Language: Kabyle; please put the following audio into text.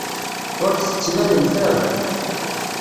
Ur t-tettnalemt ara.